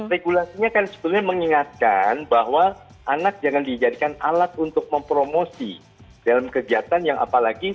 regulasinya kan sebetulnya mengingatkan bahwa anak jangan dijadikan alat untuk mempromosi dalam kegiatan yang apalagi